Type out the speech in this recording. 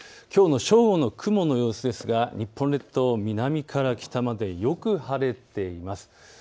きょうの正午の雲の様子ですが日本列島、南から北までよく晴れています。